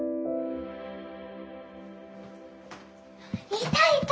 いたいた！